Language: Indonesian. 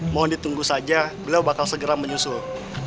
mohon ditunggu saja beliau bakal segera menyusul